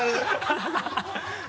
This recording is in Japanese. ハハハ